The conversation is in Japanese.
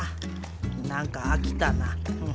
何か飽きたなふん。